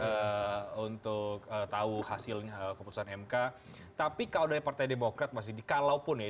mkn untuk tahu hasilnya keputusan mk tapi kalau partai demokrat masih dikalau pune